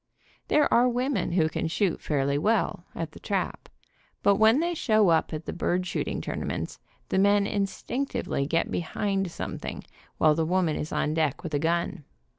There are women who can shoot THE WOMAN BEHIND THE GUN 63 fairly well, at the trap, but when they show up at the bird shooting tournaments the men instinctively get behind something while the woman is on deck with a gun.